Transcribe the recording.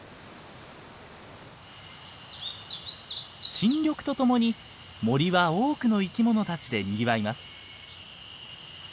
新緑とともに森は多くの生き物たちでにぎわいます。